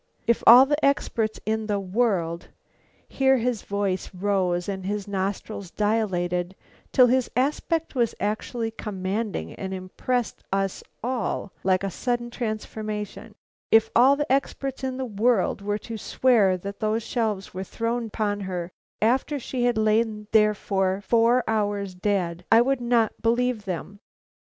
If all the experts in the world" here his voice rose and his nostrils dilated till his aspect was actually commanding and impressed us all like a sudden transformation "_If all the experts in the world were to swear that those shelves were thrown upon her after she had lain therefor four hours dead, I would not believe them.